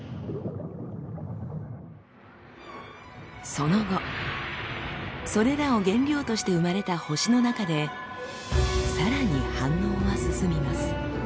その後それらを原料として生まれた星の中でさらに反応は進みます。